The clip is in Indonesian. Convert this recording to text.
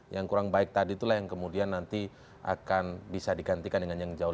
yang kurang baik tadi itulah yang kemudian nanti akan bisa digantikan dengan yang jauh